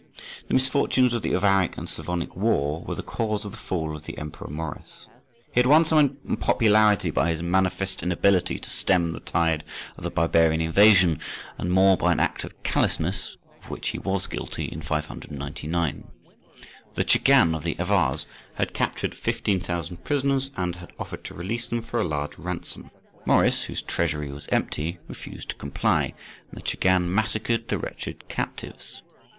The misfortunes of the Avaric and Slavonic war were the cause of the fall of the Emperor Maurice. He had won some unpopularity by his manifest inability to stem the tide of the barbarian invasion, and more by an act of callousness, of which he was guilty in 599. The Chagan of the Avars had captured 15,000 prisoners, and offered to release them for a large ransom. Maurice—whose treasury was empty—refused to comply, and the Chagan massacred the wretched captives.